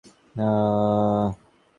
Police inspector রকিবউদ্দিনের সঙ্গে করেছেন।